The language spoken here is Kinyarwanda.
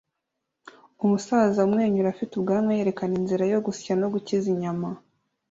Umusaza umwenyura ufite ubwanwa yerekana inzira yo gusya no gukiza inyama